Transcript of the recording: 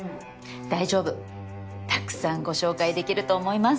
大丈夫たくさんご紹介できると思います。